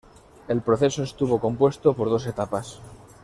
El proceso estuvo compuesto por dos etapas.